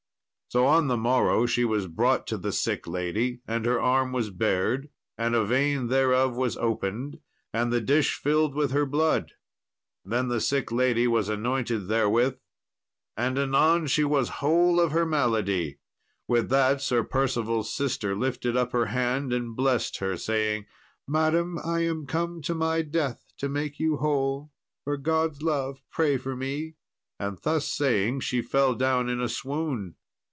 So on the morrow she was brought to the sick lady, and her arm was bared, and a vein thereof was opened, and the dish filled with her blood. Then the sick lady was anointed therewith, and anon she was whole of her malady. With that Sir Percival's sister lifted up her hand and blessed her, saying, "Madam, I am come to my death to make you whole; for God's love pray for me;" and thus saying she fell down in a swoon.